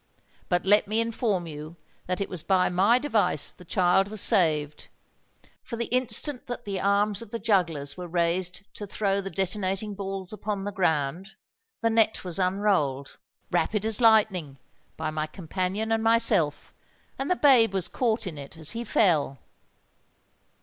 But let me inform you that it was by my device the child was saved; for the instant that the arms of the jugglers were raised to throw the detonating balls upon the ground, the net was unrolled—rapid as lightning—by my companion and myself; and the babe was caught in it as he fell!"